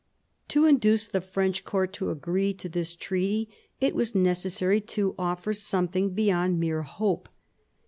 To induce the French court to agree to this treaty it was necessary to offer something beyond mere hope.